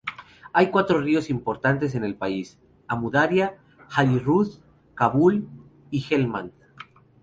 Hay cuatro ríos importantes en el país: Amu Daria, Hari Rud, Kabul y Helmand.